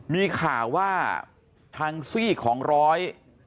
มีข่าวว่าทางซี่ของร้อย